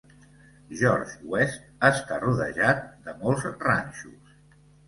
George West està rodejat de molts ranxos.